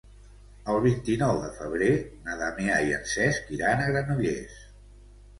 El vint-i-nou de febrer na Damià i en Cesc iran a Granollers.